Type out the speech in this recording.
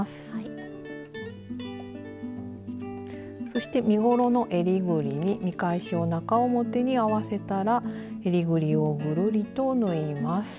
そして身ごろのえりぐりに見返しを中表に合わせたらえりぐりをぐるりと縫います。